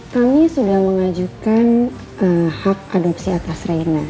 kami sudah mengajukan hak adopsi atas rena